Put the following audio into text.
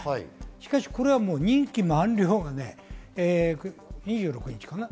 しかし任期満了が２６日かな？